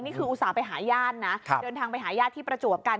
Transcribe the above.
นี่คืออุตส่าห์ไปหาย่านนะเดินทางไปหาย่านที่ประจุกัน